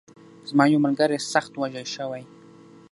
زما یو ملګری سخت وږی شوی.